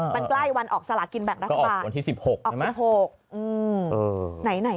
มันใกล้วันออกสละกินแบบรักษาออกวันที่๑๖ใช่ไหม